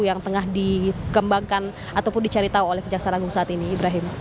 yang tengah dikembangkan ataupun dicari tahu oleh kejaksaan agung saat ini ibrahim